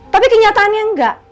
tapi kenyataannya enggak